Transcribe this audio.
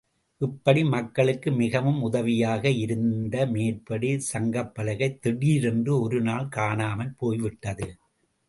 இப்படி மக்களுக்கு மிகவும் உதவியாக இருந்த மேற்படி சங்கப்பலகை திடீரென்று ஒரு நாள் காணாமற்போய்விட்டது.